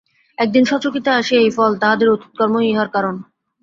একদিন সচকিতে আসে এই ফল! তাঁহাদের অতীত কর্মই ইহার কারণ।